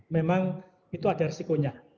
memang itu ada resikonya